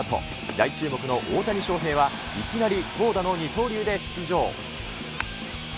大注目の大谷翔平はいきなり投打の二刀流で出場。